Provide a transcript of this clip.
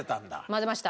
混ぜました